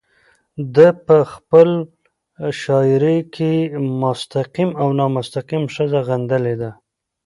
ده په خپله شاعرۍ کې مستقيم او نامستقيم ښځه غندلې ده